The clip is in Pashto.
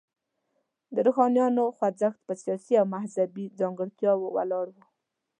د روښانیانو خوځښت په سیاسي او مذهبي ځانګړتیاوو ولاړ و.